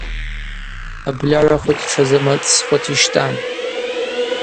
Абльагӏва хвыц тшазымырцӏсхуата йщтӏан.